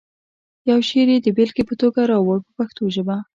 یو شعر یې د بېلګې په توګه راوړو په پښتو ژبه.